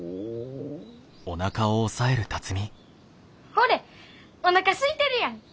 ほれおなかすいてるやん！